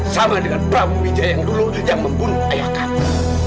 sama dengan prabu wijaya yang dulu yang membunuh ayah kamu